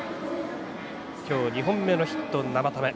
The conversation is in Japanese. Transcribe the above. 今日２本目のヒット、生田目。